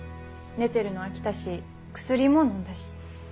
寝てるの飽きたし薬ものんだし。